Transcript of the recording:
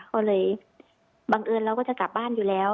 เขาเลยบังเอิญเราก็จะกลับบ้านอยู่แล้ว